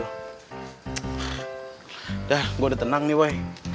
udah gue udah tenang nih way